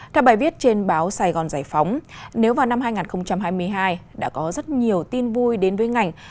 theo bài viết trên báo sài gòn giải phóng nếu vào năm hai nghìn hai mươi hai đã có rất nhiều tin vui đến với ngành